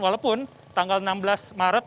walaupun tanggal enam belas maret